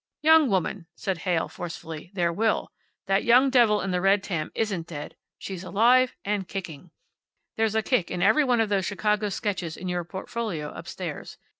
"Young woman," said Heyl, forcefully, "there will. That young devil in the red tam isn't dead. She's alive. And kicking. There's a kick in every one of those Chicago sketches in your portfolio upstairs.